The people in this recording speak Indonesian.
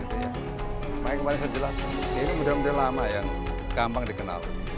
makanya kemarin saya jelas ini mudah mudahan lama yang gampang dikenal